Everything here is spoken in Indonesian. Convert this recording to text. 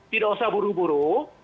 tidak usah buru buru